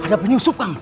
ada penyusup kang